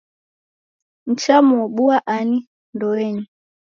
Nichamuoboa ani ndoenyi?